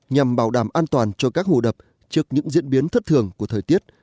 nhằm bảo đảm an toàn cho các hồ đập trước những diễn biến thất thường của thời tiết